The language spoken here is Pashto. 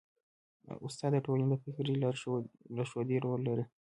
استاد د ټولنې د فکري لارښودۍ رول لري.